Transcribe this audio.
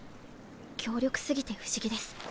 強力過ぎて不思議です。